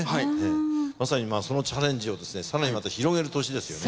まさにそのチャレンジをですね更にまた広げる年ですよね。